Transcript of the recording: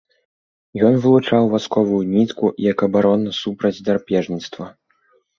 Ён вылучаў васковую нітку, як абарона супраць драпежніцтва.